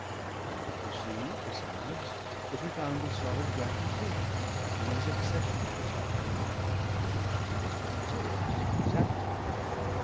I could perceive, besides, that he found a solid gratification in his accession to the title; the which he was punctilious in exacting.